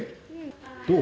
どう？